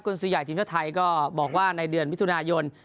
คุณสุยัยทีมชาไทยก็บอกว่าในเดือนวิทยุนายน